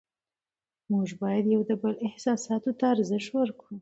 موږ باید د یو بل احساساتو ته ارزښت ورکړو